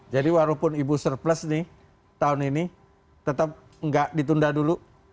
jadi walaupun ibu surplus nih tahun ini tetap nggak ditunda dulu